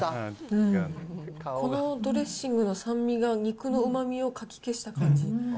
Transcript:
このドレッシングの酸味が、肉のうまみをかき消した感じ。